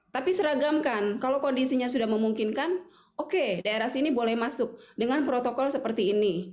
tapi seragamkan kalau kondisinya sudah memungkinkan oke daerah sini boleh masuk dengan protokol seperti ini